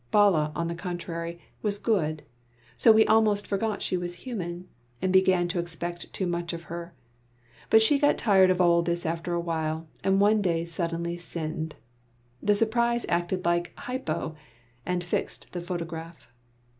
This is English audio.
Bala, on the contrary, was good: so we almost forgot she was human, and began to expect too much of her; but she got tired of this after a while, and one day suddenly sinned. The surprise acted like "hypo," and fixed the photograph.